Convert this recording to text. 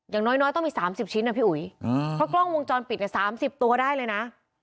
อย่างน้อยต้องมี๓๐ชิ้นนะพี่อุ๋ยเพราะกล้องวงจรปิดเนี่ย๓๐ตัวได้เลยนะ